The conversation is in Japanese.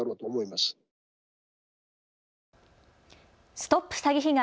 ＳＴＯＰ詐欺被害！